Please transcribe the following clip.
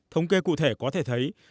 thống kê cụ thể có thể thấy